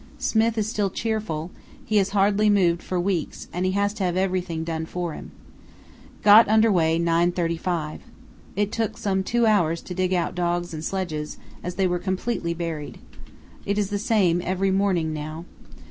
Smith is still cheerful; he has hardly moved for weeks and he has to have everything done for him. Got under way 9.35. It took some two hours to dig out dogs and sledges, as they were completely buried. It is the same every morning now.